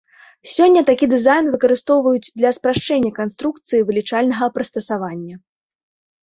Сёння такі дызайн выкарыстоўваюць для спрашчэння канструкцыі вылічальнага прыстасавання.